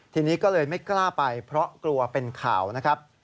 ทีนี้ก็เลยไม่กล้าไปเพราะกลัวเป็นข่าวนะครับ